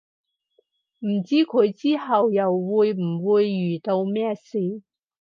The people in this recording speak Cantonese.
唔知佢之後又會唔會遇到咩事